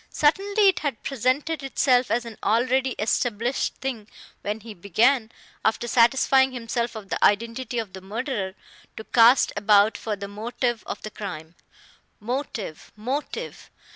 Certainly it had presented itself as an already established thing when he began, after satisfying himself of the identity of the murderer, to cast about for the motive of the crime. Motive, motive!